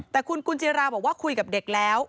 แต่คุณกุญจิราบอกว่าคุยกับเด็กแล้ว